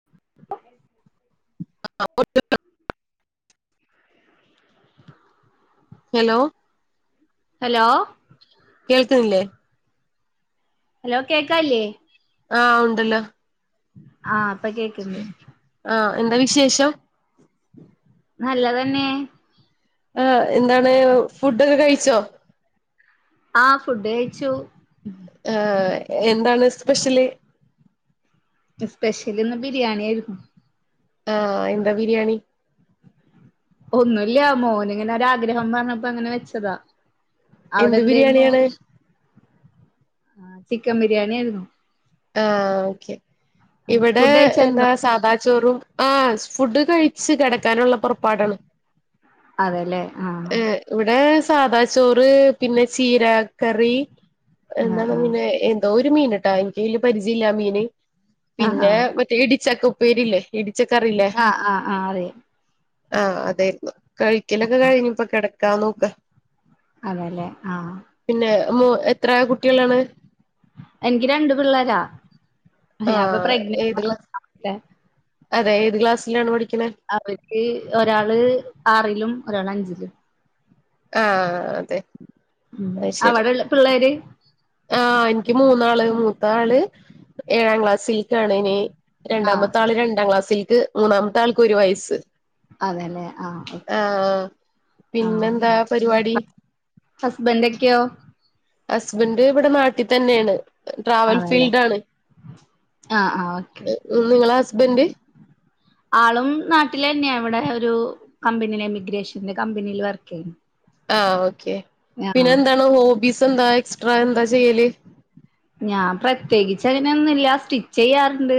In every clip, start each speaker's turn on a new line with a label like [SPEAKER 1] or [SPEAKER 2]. [SPEAKER 1] [inaudible]
[SPEAKER 2] [inaudible] hello
[SPEAKER 1] hello
[SPEAKER 2] കേൾക്ണില്ലേ
[SPEAKER 1] hello കേക്കാല്ലേ
[SPEAKER 2] ആഹ് ഉണ്ടല്ലോ
[SPEAKER 1] ആഹ് ഇപ്പൊ കേക്ക്ണ്ട്
[SPEAKER 2] ആഹ് എന്താ വിശേഷം
[SPEAKER 1] നല്ലതന്നെ
[SPEAKER 2] ആഹ് എന്താണ് ഫുഡൊക്കെ കഴിച്ചോ
[SPEAKER 1] ആഹ് ഫുഡ് കഴിച്ചു
[SPEAKER 2] ആഹ് എന്താണ് സ്പെഷ്യല്
[SPEAKER 1] സ്പെഷ്യലിന്ന് ബിരിയാണിയായിരുന്നു
[SPEAKER 2] ആഹ് എന്താ ബിരിയാണി
[SPEAKER 1] ഒന്നുല്ല മോനിങ്ങനെ ഒരാഗ്രഹം പറഞ്ഞപ്പോ അങ്ങനെ വെച്ചതാ അവിടെ
[SPEAKER 2] എന്ത്
[SPEAKER 1] എന്തായിരുന്നു
[SPEAKER 2] ബിരിയാണിയാണ്
[SPEAKER 1] ചിക്കൻ ബിരിയാണി ആയിരുന്നു
[SPEAKER 2] ആഹ് ഓക്കെ ഇവിടെ
[SPEAKER 1] ഫുഡ്
[SPEAKER 2] എന്താ
[SPEAKER 1] കഴിച്ചായിരുന്നോ
[SPEAKER 2] സാധാ ചോറും ആഹ് ഫുഡ് കഴിച്ച് കിടക്കാനുള്ള പുൊറപ്പാടാണ്
[SPEAKER 1] അതെല്ലേ ആഹ്
[SPEAKER 2] ഇവിടെ സാദാ ചോറ് പിന്നെ ചീരക്കറി
[SPEAKER 1] ആഹ്
[SPEAKER 2] എന്താണ്
[SPEAKER 1] ആഹ്
[SPEAKER 2] പിന്നെ എന്തോ ഒരു മീൻട്ടാ എനിക്ക്വല്യ പരിചയല്ല മീന്
[SPEAKER 1] ആഹ്
[SPEAKER 2] പിന്നെ
[SPEAKER 1] ആഹ്
[SPEAKER 2] മറ്റേ ഇടിച്ചൊക്കെ ഉപ്പേരിയില്ലേ ഇടിച്ചക്ക അറിയില്ലേ
[SPEAKER 1] ആഹ് ആഹ് ആഹ് അറിയാം
[SPEAKER 2] ആ അതായിരുന്നു കഴിക്കലൊക്കെ കഴിഞ്ഞു ഇപ്പ കിടക്കാൻ നോക്ക
[SPEAKER 1] അതെല്ലെ ആ
[SPEAKER 2] പിന്നെ മ എത്ര കുട്ടികളാണ്
[SPEAKER 1] എനിക്ക് രണ്ടു പിള്ളേരാ ഞാനിപ്പൊ
[SPEAKER 2] ആഹ് ഏത്
[SPEAKER 1] പ്രഗ്നന്റ്
[SPEAKER 2] ക്ലാ അതെ ഏത് ക്ലാസ്സിലാണ് പഠിക്കുന്നത്
[SPEAKER 1] അവർക്ക് ഒരാള് ആറിലും ഒരാൾ അഞ്ചിലും
[SPEAKER 2] ആ അതെ
[SPEAKER 1] ഉ അവിടെള്ള പിള്ളേര്
[SPEAKER 2] ആ എനിക്ക് മൂന്നാള് മൂത്ത ആള് ഏഴാം ക്ലാസ്സിൽക്കാണ് ഇനി
[SPEAKER 1] ആഹ്
[SPEAKER 2] രണ്ടാമത്തെ ആള് രണ്ടാം ക്ലാസ്സിൽക്ക് മൂന്നാമത്തെ ആൾക്ക് ഒരു വയസ്സ്
[SPEAKER 1] അതെല്ലേ ആഹ്
[SPEAKER 2] ആ
[SPEAKER 1] ഓക്കെ
[SPEAKER 2] പിന്നെ എന്താ പരിപാടി
[SPEAKER 1] ഹസ്ബൻ്റ് ഒക്കെയോ
[SPEAKER 2] ഹസ്ബൻ്റ് ഇവിടെ നാട്ടിൽ തന്നെയാണ് ട്രാവൽ
[SPEAKER 1] ആണല്ലേ
[SPEAKER 2] ഫീൽഡ് ആണ്
[SPEAKER 1] ആഹ് ആഹ് ഓക്കെ
[SPEAKER 2] നിങ്ങളെ ഹസ്ബന്റ്
[SPEAKER 1] ആളും നാട്ടിൽ എന്നെയാ ഇവിടെ ഒരു കമ്പനില് ഇമിഗ്രേഷന്റെ കമ്പനിൽ വർക്ക് ചെയ്യുന്നു
[SPEAKER 2] ആ ഓക്കെ പിന്നെ
[SPEAKER 1] ആഹ്
[SPEAKER 2] എന്താണ് ഹോബീസ് എന്താ എക്സ്ട്രാ എന്താ ചെയ്യല്
[SPEAKER 1] ഞാൻ പ്രത്യേകിച്ച് അതിനൊന്നും ഇല്ല സ്റ്റിച്ച് ചെയ്യാറുണ്ട്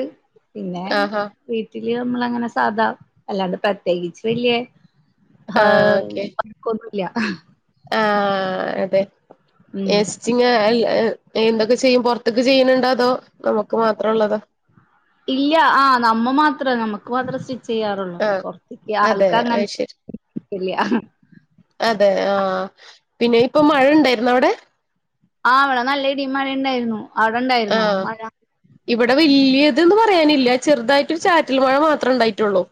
[SPEAKER 1] പിന്നെ
[SPEAKER 2] ആഹാ
[SPEAKER 1] വീട്ടില് നമ്മള അങ്ങനെ സാധാ അല്ലാണ്ട് പ്രത്യേകിച്ച് വല്യ
[SPEAKER 2] ആഹ്
[SPEAKER 1] ആഹ കൊന്നില്ല [inaudible]
[SPEAKER 2] ആ അതെ
[SPEAKER 1] ഉം
[SPEAKER 2] എസ് സ്റ്റിച്ചിങ് എന്തൊക്കെ ചെയ്യും പുറത്തിക്ക് ചെയ്യുന്നുണ്ടോ അതോ നമുക്ക് മാത്രം ഉള്ളതാ
[SPEAKER 1] ഇല്ല ആ നമ്മ മാത്രം നമുക്ക് മാത്രം ചെയ്യാറുള്ളൂ
[SPEAKER 2] ആഹ്
[SPEAKER 1] പുറത്തേക്ക്
[SPEAKER 2] അതെ അത്
[SPEAKER 1] ആൾക്കങ്ങനത്തെ
[SPEAKER 2] ശരി
[SPEAKER 1] ഇല്ല്യ
[SPEAKER 2] അതെ ആ പിന്നെ ഇപ്പൊ മഴ ഉണ്ടായിരുന്ന അവിടെ
[SPEAKER 1] ആ ഇവിടെ നല്ല ഇടീം മഴ ഉണ്ടായിരുന്നു അവിടെണ്ടായിരുന്നോ
[SPEAKER 2] ആഹ്
[SPEAKER 1] മഴ
[SPEAKER 2] ഇവിടെ വല്യതന്ന് പറയാനില്ല ചെറുതായിട്ട് ഒരു ചാറ്റൽ മഴ മാത്രം ഉണ്ടായിട്ടുള്ളൂ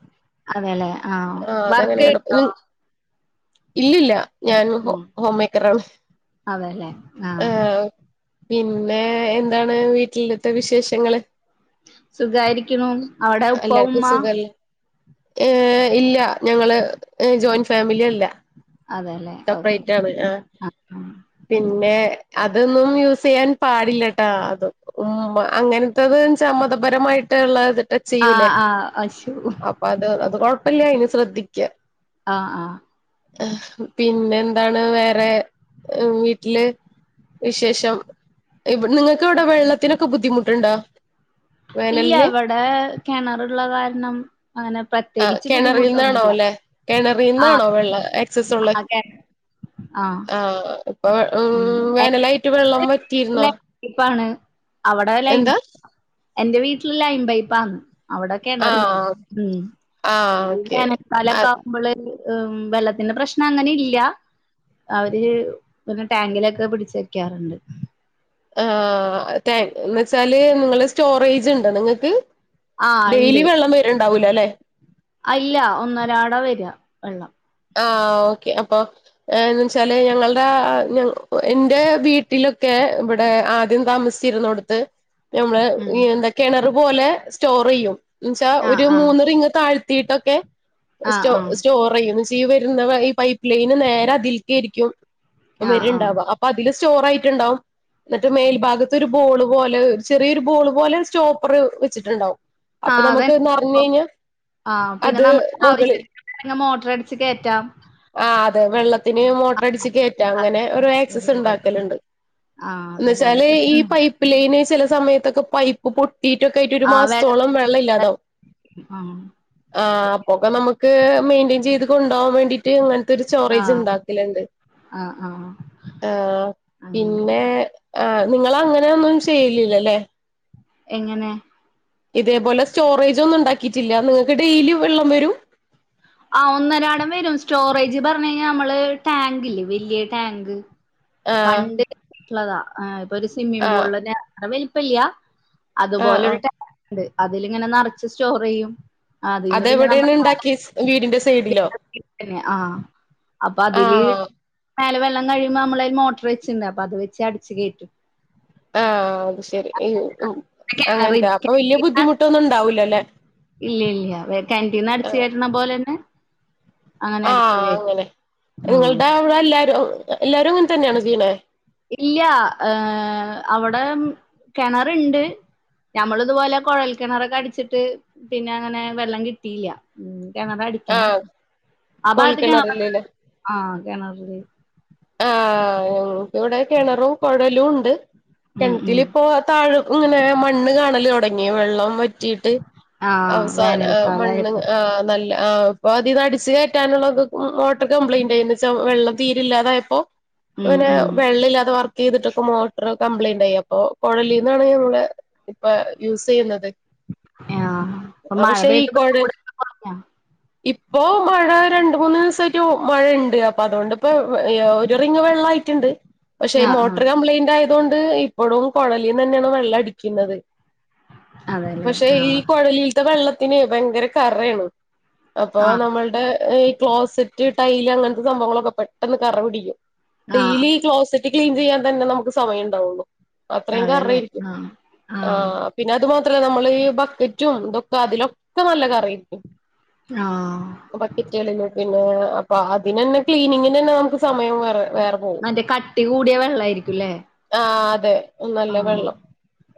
[SPEAKER 1] അങ്ങനെ ആ
[SPEAKER 2] ആ അതങ്ങനെ കിടക്കും ഇല്ലില്ല ഞാൻ ഹോം മേക്കറാണ്
[SPEAKER 1] അതെല്ലെ ആ
[SPEAKER 2] ആ പിന്നെ എന്താണ് വീട്ടിലത്തെ വിശേഷങ്ങള്
[SPEAKER 1] സുഖായിരിക്കണു അവിടെ ഉപ്പ ഉമ്മ
[SPEAKER 2] ഏ ഇല്ല ഞങ്ങള് ജോയിന്റ് ഫാമിലിയല്ല
[SPEAKER 1] അതെല്ലേ ഓക്കെ
[SPEAKER 2] പിന്നെ അതൊന്നും യൂസ് ചെയ്യാൻ പാടില്ലട്ടാ അത് ഉ അങ്ങനത്ത തെന്ന് വെച്ചാ മതപരമായിട്ട് ട്ടുള്ള ഇത് ടച്ച്
[SPEAKER 1] ആഹ്
[SPEAKER 2] ചെയ്യൂലേ
[SPEAKER 1] ആഹ് അശു
[SPEAKER 2] അപ്പൊ അത് അത് കൊഴപ്പില്ല ഇനി ശ്രദ്ധിക്ക
[SPEAKER 1] അ ആ
[SPEAKER 2] പിന്നെ എന്താണ് വേറെ വീട്ടില് വിശേഷം നിങ്ങൾക്ക് ഇവിടെ വെള്ളത്തിനൊക്കെ ബുദ്ധിമുട്ടുണ്ടോ
[SPEAKER 1] ഇല്ല
[SPEAKER 2] വേനലിന്
[SPEAKER 1] ഇവിടെ കിണറുള്ള കാരണം അങ്ങനെ
[SPEAKER 2] ആ
[SPEAKER 1] പ്രത്യേകിച്ച്
[SPEAKER 2] കിണറിൽ നിന്നാണോ
[SPEAKER 1] ബുദ്ധിമുട്ടൊന്നുമില്ല
[SPEAKER 2] അല്ലെ കിണറിൽ
[SPEAKER 1] ആഹ്
[SPEAKER 2] നിന്നാണോ വെള്ള [unintelligible] ള്ളെ
[SPEAKER 1] ആഹ് കിണ
[SPEAKER 2] ആഹ് അപ്പ ഉ
[SPEAKER 1] ഉം
[SPEAKER 2] വേനലായിട്ട് വെള്ളം വറ്റിയിരുന്നോ
[SPEAKER 1] ലൈൻപൈപ്പാണ് അവിടെ ലൈൻ
[SPEAKER 2] എന്താ
[SPEAKER 1] എന്റെ വീട്ടില് ലൈൻ പൈപ്പാ അവിടെ കിണറില്ല
[SPEAKER 2] ആഹ്
[SPEAKER 1] ഉം
[SPEAKER 2] ആഹ് ഓക്കെ
[SPEAKER 1] വേനൽ കാലൊക്കെ
[SPEAKER 2] അത്
[SPEAKER 1] ആകുമ്പോള് ഉം വെള്ളത്തിന്റെ പ്രശ്നം അങ്ങനെ ഇല്ല അവര് പിന്നെ ടാങ്കിലൊക്കെ പിടിച്ച് വെക്കാറുണ്ട്
[SPEAKER 2] ആ താങ്ക് എന്ന വെച്ചാല് നിങ്ങള് സ്റ്റോറേജ് ഉണ്ടോ നിങ്ങൾക്ക്
[SPEAKER 1] ആഹ്
[SPEAKER 2] ഡെയിലി വെള്ളം വരുണ്ടാവൂല അല്ലെ
[SPEAKER 1] അല്ല ഒന്നരാട വര വെള്ളം
[SPEAKER 2] ആഹ് ഓക്കെ അപ്പൊ ന്ന് വെച്ചാല് ഞങ്ങളുടെ എന്റെ വീട്ടിലൊക്കെ ഇവിടെ ആദ്യം താമസ ചിരന്നൊടുത്ത് നമ്മള്
[SPEAKER 1] ഉം
[SPEAKER 2] എന്താ കിണർ പോലെ സ്റ്റോർ ചെയ്യും എന്നെച്ചാ
[SPEAKER 1] ആഹ്
[SPEAKER 2] ഒരു
[SPEAKER 1] ആഹ്
[SPEAKER 2] മൂന്ന് റിങ്ങ് താഴ് [unintelligible] ട്ടൊക്കെ
[SPEAKER 1] ആഹ്
[SPEAKER 2] സ്റ്റോ
[SPEAKER 1] ആഹ്
[SPEAKER 2] സ്റ്റോർ ചെയ്യുന്നു ഈ വരുന്ന വ ഈ പൈപ്പ് ലൈന് നേരെ അതിൽക്കരിക്കും
[SPEAKER 1] ആഹ് ആഹ്
[SPEAKER 2] വരുണ്ടാവ അപ് അപ്പൊ അതില് സ്റ്റോർ ആയിട്ട്ണ്ടാവും എന്നിട്ട് മേൽഭാഗത്ത് ഒരു ബോള് പോലെ ചെറിയൊരു ബോള് പോലെ സ്റ്റോപ്പറ് വെച്ചിട്ടുണ്ടാവും അപ്പൊ
[SPEAKER 1] ആഹ് അതന്നെ
[SPEAKER 2] നമുക്ക്ന്ന്റിഞ്ഞു
[SPEAKER 1] സംഭവം
[SPEAKER 2] കഴിഞ്ഞാൽ അത് മുകളില്
[SPEAKER 1] ങ്ങ്ങ്കി മോട്ടർ അടച്ച് കയറ്റാം
[SPEAKER 2] ആഹ് അതെ വെള്ളത്തിന് മോട്ടർ അടിച്ച് കയറ്റാം
[SPEAKER 1] അതെ
[SPEAKER 2] അങ്ങനെ ഒരു ആക്സസ്
[SPEAKER 1] അതുപോലെ
[SPEAKER 2] ഉണ്ടാക്കലുണ്ട്
[SPEAKER 1] ആഹ്
[SPEAKER 2] എന്ന് വെച്ചാല്
[SPEAKER 1] അതുപോലെക്കെ
[SPEAKER 2] ഈ പൈപ്പ് ലൈന് ചില സമയത്തൊക്കെ പൈപ്പ് പൊ ട്ടി റ്റൊക്കെ ആയിട്ട് ഒരു മാസത്തോളം വെള്ളം ഇല്ലാതാവും
[SPEAKER 1] ആഹ്
[SPEAKER 2] ആഹ്
[SPEAKER 1] ശരി
[SPEAKER 2] അപ്പൊക്കെ നമുക്ക് മെയിന്റെയിൻ ചെയ്ത് കൊണ്ടപോകവാൻ വേണ്ടി റ്റ് അങ്ങനത്തെ ഒരു സ്റ്റോറേജ്
[SPEAKER 1] ആഹ്
[SPEAKER 2] ഉണ്ടാക്കലുണ്ട്
[SPEAKER 1] ആഹ് ആഹ് അങ്ങനെ
[SPEAKER 2] ആഹ്പിന്നെ ആ നിങ്ങൾ അങ്ങനെൊന്നും ചെയ്ലില്ലല്ലേ
[SPEAKER 1] എങ്ങനെ
[SPEAKER 2] ഇതേപോലെ സ്റ്റോറേജ ഒന്നും ഉണ്ടാക്കിയിട്ടില്ല നിങ്ങൾക്ക് ഡെയിലി വെള്ളം വരും
[SPEAKER 1] ആഹ് ഒന്നരടം വരും സ്റ്റോറേജ് പറഞ്ഞു കഴിഞ്ഞാൽ നമ്മള് ടാങ്ക് ഇല്ലേ വലിയ ടാങ്ക്
[SPEAKER 2] ആഹ്
[SPEAKER 1] പണ്ട്ള്ളതാ ഇപ്പൊ ഒരു സ്വിമ്മിംഗ
[SPEAKER 2] ആഹ്
[SPEAKER 1] പൂളറെ വലിപ്പല്ലയാ
[SPEAKER 2] ആഹ്
[SPEAKER 1] അതുപോലെരു
[SPEAKER 2] ആഹ്
[SPEAKER 1] ടാങ്ക് അതിലിങ്ങനെ നിറച്ച് സ്റ്റോർ ചെയ്യും ആഹ് അതന്ന് പിന്നെ നമ്മ
[SPEAKER 2] അതെവിടെയാണ് ഉണ്ടാക്കിയെ വീടിന്റെ സൈഡിലോ
[SPEAKER 1] [inaudible] ആ അപ്പൊ അതില്
[SPEAKER 2] ആഹ്
[SPEAKER 1] മേലെ വെള്ളം കഴിയുമ്പോൾ നമ്മളൾ മോട്ടർ വെച്ചുണ്ട് അപ്പൊ അത് വെച്ച് അടച്ച് കയറ്റും
[SPEAKER 2] ആഹ് അത് ശെരി ഉം
[SPEAKER 1] കിണറി
[SPEAKER 2] അങ്ങനത്തെ അപ്പൊ വല്യ
[SPEAKER 1] കിണറ്റിന്ന്
[SPEAKER 2] ബുദ്ധിമുട്ടൊന്നും ഉണ്ടാവൂലല്ലെ
[SPEAKER 1] ഇല്ല ഇല്ല കന്റീന് അടച്ച്
[SPEAKER 2] ആഹ്
[SPEAKER 1] കെയറ്റ്ണപോലെ തന്നെ
[SPEAKER 2] ആഹ് അങ്ങനെ
[SPEAKER 1] ആഹ്
[SPEAKER 2] നിങ്ങളുടെ അവിടെ എല്ലാരും എല്ലാരും അങ്ങനെ തന്നെയാണ് ച്ചെയ്ണെ
[SPEAKER 1] ഇല്ല ഏഹ് അവിടെ കെണർണ്ട് ഞമ്മള് ഇതുപോലെ കുഴൽ കിണറൊക്കെ അടിച്ചിട്ട് പിന്നെ അങ്ങനെ വെള്ളം കിട്ടിയില്ല ഉം കിണറ അടിക്കണം
[SPEAKER 2] ആഹ്
[SPEAKER 1] ആ ഭാഗത്ത്
[SPEAKER 2] കോഴൽക്കിണറില്
[SPEAKER 1] കെണറൊകെ ആ കിണറില്
[SPEAKER 2] ആഹ് ഞങ്ങക്ക് വിടെ കിണറും കുഴലും ഉണ്ട്
[SPEAKER 1] ഉം ഉം
[SPEAKER 2] കിണറ്റിപ്പോ താഴ് ഇങ്ങനെ മണ്ണ് കാണല് തൊടങ്ങി വെള്ളം വറ്റിയിട്ട്
[SPEAKER 1] ആഹ്
[SPEAKER 2] അവസാന ആ മണ്ണ്
[SPEAKER 1] വേനൽക്കാലായപ്പോ
[SPEAKER 2] ആ നല്ല ആഹ് ഇപ്പൊ അതിന്ന് അടിച്ചു കയറ്റാനുള്ള ഇത് മോട്ടർ കംപ്ലൈയിന്റ് ആയിച്ച എന്താച്ച വെള്ളം തീരില്ലാതായപ്പോ
[SPEAKER 1] ഉം
[SPEAKER 2] പ്പങ്ങനെ
[SPEAKER 1] ഉം
[SPEAKER 2] വെള്ളില്ലാതെ വർക്ക് ചെയ്തിട്ടൊക്കെ മോട്ടർ കംപ്ലൈന്റ് ആയി അപ്പൊ കൊഴലീന്നാണ് നങ്ങള് ഇപ്പ യൂസ് ചെയ്യുന്നത്
[SPEAKER 1] ആഹ് ഇപ്പൊ
[SPEAKER 2] അപ്പ
[SPEAKER 1] മഴ
[SPEAKER 2] ശ കൊ
[SPEAKER 1] പെയ്തപ്പോ ചൂടൊക്കെ കൊറഞ്ഞോ
[SPEAKER 2] ഇപ്പോ മഴ രണ്ട് മൂന്ന് ദിവസായിട്ട് മഴണ്ട് അപ്പൊ അതുകൊണ്ട്പ്പോ ഒരു റിംഗ് വെള്ളട്ടുണ്ട് പക്ഷെ
[SPEAKER 1] ആഹ്
[SPEAKER 2] മോട്ടർ
[SPEAKER 1] ആഹ്
[SPEAKER 2] കംപ്യിന്റ് യ തുകൊണ്ട് ഇപ്പോഴും കൊയലീന്ന് തന്നെയാണ് വെള്ളം അടിക്കുന്നത്
[SPEAKER 1] അതെല്ലേ
[SPEAKER 2] പക്ഷെ
[SPEAKER 1] ആഹ്
[SPEAKER 2] ഇൽക്കട ല്ത്ത വെള്ളത്തിന് ഭയങ്കര കറയാണ് അപ്പോ
[SPEAKER 1] ആഹ്
[SPEAKER 2] നമ്മളുടെ ഈ ക്ലോസറ്റ് ടൈല് അങ്ങനത്തെ സംഭവങ്ങളൊക്കെ പെട്ടെന്ന് കറ പിടിക്കും
[SPEAKER 1] ആഹ്
[SPEAKER 2] ഡെയിലി ക്ലോസിറ്റ് ക്ലീൻ ചെയ്യാൻ തന്നെ നമുക്ക് സമ ഉണ്ടാവുള്ളൂ അത്രയും
[SPEAKER 1] അതെല്ലേ
[SPEAKER 2] കറ്യ്‌ര്ക്കും
[SPEAKER 1] ആഹ്
[SPEAKER 2] ആഹ് പിന്നെ അതു മാത്രല്ലേ നമ്മള് ഈ ബക്കറ്റുംന്തൊക്ക അതിലൊക്കെ നല്ല കറിയിരിക്കും
[SPEAKER 1] ആഹ്
[SPEAKER 2] ബക്കറ്റുകളു പിന്നെ അപ്പൊ അതിന തന്നെ ക്ലീനിങ്ങിന് തന്നെ നമുക്ക് സമയം വേറെ വേറെ പോവും
[SPEAKER 1] മറ്റേ കട്ടി കൂടിയ വെള്ളയിരിക്കുംല്ലേ
[SPEAKER 2] ആഹ് അതെ നല്ല വെള്ളം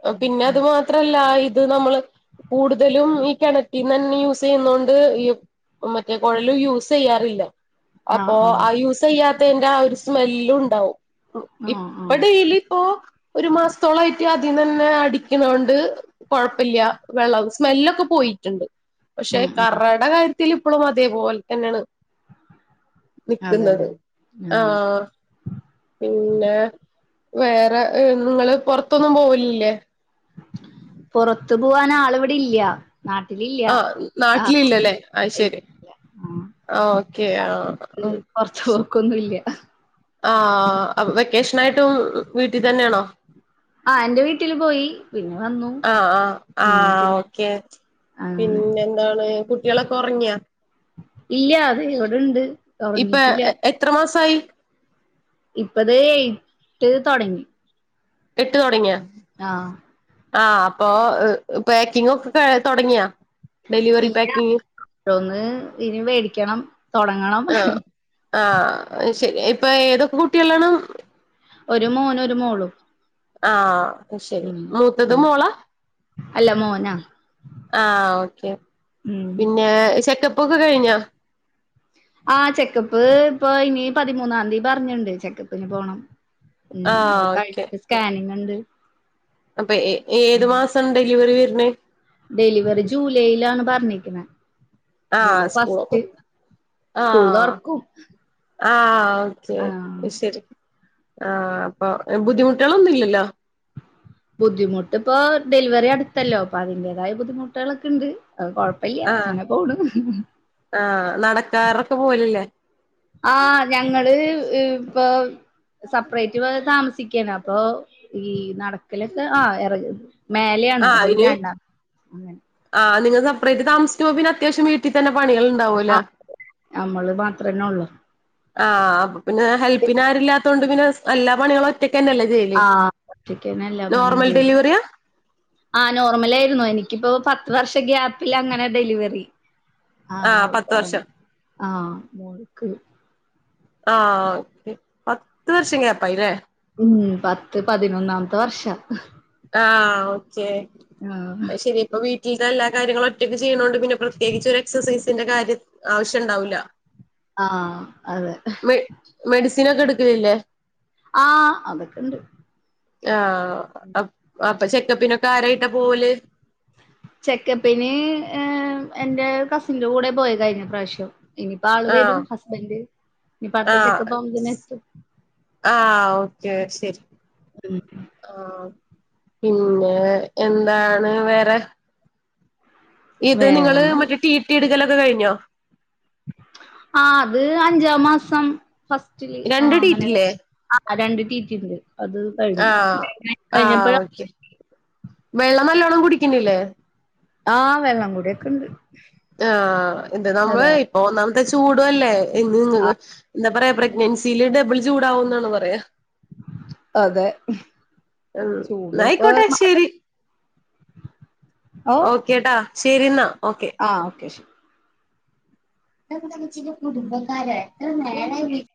[SPEAKER 1] ഉം
[SPEAKER 2] പിന്നെ
[SPEAKER 1] ഉം
[SPEAKER 2] അത് മാത്രല്ല ഇത് നമ്മള് കൂടുതലും ഈ കിണറ്റിൽന്ന് ന്നെ യൂസ് ചെയ്യുന്ന കൊണ്ട് ഈ മറ്റേ കൊഴലും യൂസ് ചെയ്യാറില്ല അപ്പോ ആഹ് യൂസ് ചെയ്യാത്തയി ന്റെ ആഹ് ഒരു സ്മെല്ലും ഉണ്ടാവും
[SPEAKER 1] ആഹ്
[SPEAKER 2] ഇപ്പ
[SPEAKER 1] ആഹ്
[SPEAKER 2] ഡെയിലി ഇപ്പോ ഒരു മാസത്തോളായിട്ട് ആദിന്നന്നെ അടിക്കണോണ്ട് കൊഴപ്പല്ല വെള്ളം സ്മെല്ലൊക്കെ പോയിട്ടുണ്ട് പക്ഷെ
[SPEAKER 1] ഉം ഉം
[SPEAKER 2] കറട കാര്യത്തിൽ ഇപ്പോഴും അതേപോലെ തന്നെയാണ്
[SPEAKER 1] അതെല്ലേ
[SPEAKER 2] നിക്കുന്നത് ആഹ് പിന്നെ വേറെ നിങ്ങള് പൊറത്തൊന്നും പോവലില്ലേ
[SPEAKER 1] പൊറത്തു പൊവാൻ ആള് വിടെ ല്ല നാട്ടിലില്ല
[SPEAKER 2] ആഹ്
[SPEAKER 1] ആഹ്
[SPEAKER 2] നാട്ടിലില്ലല്ലേ ഐ ശരി
[SPEAKER 1] ഇല്ല
[SPEAKER 2] ആഹ് ഓക്കെ ആഹ്
[SPEAKER 1] ഉം പൊറത്ത് പോക്കൊന്നുംല്ല
[SPEAKER 2] ആഹ് വെക്കേഷൻ ആയിട്ടും വീട്ടിൽ തന്നെയാണോ
[SPEAKER 1] ആഹ് എന്റെ വീട്ടില് പോയി പിന്നെ വന്നു
[SPEAKER 2] ആഹ് ആഹ്
[SPEAKER 1] ഉം
[SPEAKER 2] ആഹ്
[SPEAKER 1] പിന്നെ
[SPEAKER 2] ഓക്കെ
[SPEAKER 1] അങ്ങനെ
[SPEAKER 2] പിന്നെ ന്താണ് കുട്ടികളൊക്കെ ഉറങ്ങിയാ
[SPEAKER 1] ഇല്ല്യ അത് എവിടെണ്ട്
[SPEAKER 2] ഇപ്പൊ
[SPEAKER 1] ഉങ്ങിട്ടില്ല
[SPEAKER 2] എത്ര മാസമായി
[SPEAKER 1] ഇപ്പൊതേ എട്ട് തുടങ്ങി
[SPEAKER 2] എട്ട് തോടങ്ങിയാ
[SPEAKER 1] ആഹ്
[SPEAKER 2] ആഹ് അപ്പൊ പാക്കിങ് ഒക്കെ ക തുടങ്ങിയാ ഡെലിവറി
[SPEAKER 1] ഇല്ല
[SPEAKER 2] പാക്കിങ്
[SPEAKER 1] [inaudible] ഒന്ന് ഇനി മേടിക്കണം തോടങ്ങണം
[SPEAKER 2] ആഹ് ആഹ് ഐ ശരി ഇപ്പൊ ഏതൊക്കെ കുട്ടികളാണ്
[SPEAKER 1] ഒരു മോനും ഒരു മോളും
[SPEAKER 2] ആഹ് അയ്ശരി
[SPEAKER 1] ഉം
[SPEAKER 2] മൂത്തത്
[SPEAKER 1] ഉം
[SPEAKER 2] മോളാ
[SPEAKER 1] അല്ല മോനാ
[SPEAKER 2] ആഹ് ഓക്കെ
[SPEAKER 1] ഉം
[SPEAKER 2] പിന്നെ ചെക്കപ്പോക്കെ കയ്ഞ്ഞോ
[SPEAKER 1] ആഹ് ചെക്കപ്പ് ഇപ്പൊ ഇനി പതിമൂന്നാം തീയതി പറഞ്ഞുണ്ട് ചെക്കപ്പിന് പോണം ഉം അത്
[SPEAKER 2] ആഹ് ഓക്കെ
[SPEAKER 1] കഴിഞ്ഞിട്ട് സ്കാനിങ് ഉണ്ട്
[SPEAKER 2] അപ്പൊ ഏ ഏത്
[SPEAKER 1] ഉം
[SPEAKER 2] മാസം ഡെലിവറി വരണെ
[SPEAKER 1] ഡെലിവറി ജൂലൈയിലാണ് പറഞ്ഞിരിക്കുന്നത്
[SPEAKER 2] ആഹ്
[SPEAKER 1] ജൂലൈ
[SPEAKER 2] സ്കൂളൊക്കെ
[SPEAKER 1] ഫസ്റ്റ് സ്കൂൾ
[SPEAKER 2] ആഹ്
[SPEAKER 1] തുറക്കും
[SPEAKER 2] ആഹ് ഓക്കെ
[SPEAKER 1] ആ
[SPEAKER 2] ക്കെ ശരി ആഹ് അപ്പൊ ബുദ്ധിമുട്ടുകളൊന്നും ഇല്ലല്ലോ
[SPEAKER 1] ബുദ്ധിമുട്ട് ഇപ്പോ ഡെലിവറി അടുത്തല്ലോ അപ്പൊ അതിന്റതായ ബുദ്ധിമുട്ടുകളൊക്കെ ഉണ്ട് കുഴപ്പല്ല
[SPEAKER 2] ആഹ്
[SPEAKER 1] അങ്ങനെ പോണ [unintelligible]
[SPEAKER 2] ആഹ് നടക്കാറൊക്കെ പോവലില്ലേ
[SPEAKER 1] ആഹ് ഞങ്ങള് ഇപ്പൊ സെപ്പറേറ്റ് താമസിക്കാണ് അപ്പൊ ഈ നടക്കലൊക്കെ ആഹ് ഇറ മേലെയാണ്
[SPEAKER 2] ആഹ്
[SPEAKER 1] അത്
[SPEAKER 2] അയിന്
[SPEAKER 1] രണ്ടാം അങ്ങനെ
[SPEAKER 2] ആഹ് നിങ്ങ സപ്പറേറ്റ് താമസിക്കുമ്പോ പിന്നെ അത്യാവശ്യം വീട്ടിൽ തന്നെ പണികൾ ഉണ്ടാവൂലേ
[SPEAKER 1] ആ നമ്മള് മാത്രന്നേ ള്ളൂ
[SPEAKER 2] ആഹ് പിന്നെ ഹെൽപ്പിന് ആരുല്ലാത്തോൊണ്ട് പിന്നെ എല്ലാ പണികളും ഒറ്റയ്ക്കന്നെല്ലേ ചെയ്യല്
[SPEAKER 1] ആഹ് ഒറ്റയ്ക്കന്നെ എല്ലാ പണിയും
[SPEAKER 2] നോർമൽ
[SPEAKER 1] ചെയ്യും
[SPEAKER 2] ഡെലിവറിയാ
[SPEAKER 1] ആഹ് നോർമലയിരുന്നു എനിക്കിപ്പോ പത്ത് വർഷ ഗ്യാപ്പിൽ അങ്ങനെ ഡെലിവറി ആഹ്
[SPEAKER 2] പത്ത് വർഷം
[SPEAKER 1] ആഹ് മോൾക്
[SPEAKER 2] ആഹ് ക്കെ പത്ത് വർഷം ഗ്യാപ്പായ്ല്ലേ
[SPEAKER 1] ഉം പത്ത് പതിനൊന്നാമത്തെ വർഷ
[SPEAKER 2] ആഹ് ഓക്കെ
[SPEAKER 1] ആഹ്
[SPEAKER 2] ശരി ഇപ്പ വീട്ടില എല്ലാ കാര്യങ്ങളും ഒറ്റക്ക് ചെയ്യ്ണോണ്ട് പിന്നെ പ്രത്യേകിച്ച് ഒരു എക്സസൈസിന്റെ കാര്യം ആവശ്യം ണ്ടാവൂല
[SPEAKER 1] ആഹ് അതെ
[SPEAKER 2] മെ മെഡിസിൻ ഒക്കെ എടുക്കലില്ലേ
[SPEAKER 1] ആഹ് അതൊക്കെണ്ട്
[SPEAKER 2] ആഹ് അപ്പൊ ചെക്കപ്പിനൊക്കെ ആരായിട്ടാ പോവല്
[SPEAKER 1] ചെക്കപ്പിന് എഹ് എന്റെ കസിന്റെ കൂടെ പോയിതായിരുന്നു പ്രാശ്യം ഇനിപ്പോ ആള് വരും
[SPEAKER 2] ആഹ്
[SPEAKER 1] ഹസ്ബന്റ് ഇനിപ്പടുത്ത
[SPEAKER 2] ആഹ്
[SPEAKER 1] ചെക്കപ്പ് ആവുമ്പത്ത്ന് എത്തും
[SPEAKER 2] ആഹ് ഓക്കെ ശരി
[SPEAKER 1] ഉം
[SPEAKER 2] ആഹ് പിന്നെ എന്താണ് വേറെ ഇത് നിങ്ങള്
[SPEAKER 1] വേറൊന്നുല്ല
[SPEAKER 2] മറ്റേ ടീട്ടി എടുക്കലൊക്കെ കഴിഞ്ഞോ
[SPEAKER 1] ആഹ് അത് അഞ്ചാം മാസം ഫസ്റ്റില് ആഹ്
[SPEAKER 2] രണ്ട് ടി ടി
[SPEAKER 1] അങ്ങനെ ഒക്കെ
[SPEAKER 2] ഇല്ലേ
[SPEAKER 1] ആഹ് രണ്ട് ട്ടീട്ടിണ്ട് അത് കഴിഞ്ഞു
[SPEAKER 2] ആഹ് ആഹ്
[SPEAKER 1] കഴിഞ്ഞപ്പഴാ
[SPEAKER 2] ഓക്കെ വെള്ളം നല്ലോണ്ണം കുടിക്ക്ണ്ല്ലേ
[SPEAKER 1] ആ വെള്ളംകുടിയൊക്കെണ്ട്
[SPEAKER 2] ആഹ് എന്ത് നമ്മള് ഇപ്പൊ ഒന്നാമത്തെ ചൂടും അല്ലേ എങ്ങ നിങ്ങ എന്ത പറയാ പ്രഗ്നൻസില് ഡബിൾ ചൂടാവും ന്നാണ് പറയാ
[SPEAKER 1] അതെ
[SPEAKER 2] ഉം
[SPEAKER 1] ചൂട്പ്പൊ
[SPEAKER 2] ന്നായിക്കോട്ടെ ശരി ഓക്കേട്ടാ ശരിന്നാ ഓക്കെ
[SPEAKER 1] ആഹ് ഓക്കെ ശരി ഉം
[SPEAKER 2] [unintelligible]